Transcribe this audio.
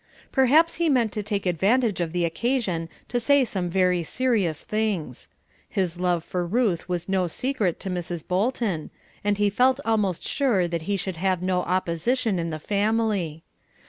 Perhaps he meant to take advantage of the occasion to say some very serious things. His love for Ruth was no secret to Mrs. Bolton, and he felt almost sure that he should have no opposition in the family.